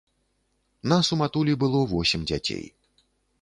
Нас у матулі было восем дзяцей.